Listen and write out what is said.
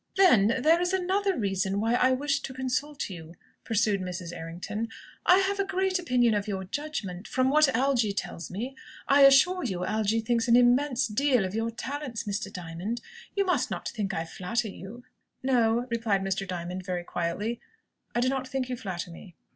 "Then there is another reason why I wished to consult you," pursued Mrs. Errington. "I have a great opinion of your judgment, from what Algy tells me. I assure you Algy thinks an immense deal of your talents, Mr. Diamond. You must not think I flatter you." "No," replied Mr. Diamond, very quietly, "I do not think you flatter me."